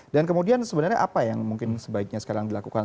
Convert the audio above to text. dan kemudian sebenarnya apa yang mungkin sebaiknya sekarang dilakukan